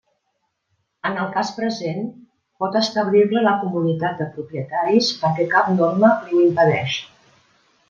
En el cas present, pot establir-la la comunitat de propietaris perquè cap norma li ho impedeix.